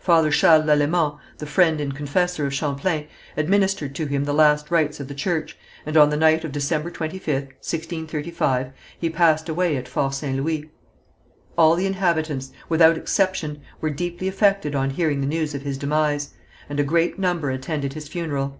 Father Charles Lalemant, the friend and confessor of Champlain, administered to him the last rites of the church, and on the night of December 25th, 1635, he passed away at Fort St. Louis. All the inhabitants, without exception, were deeply affected on hearing the news of his demise, and a great number attended his funeral.